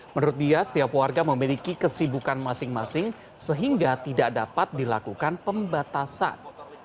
menurut dia setiap warga memiliki kesibukan masing masing sehingga tidak dapat dilakukan pembatasan